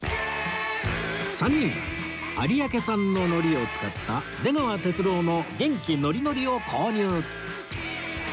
３人は有明産の海苔を使った出川哲朗の元気のりのりを購入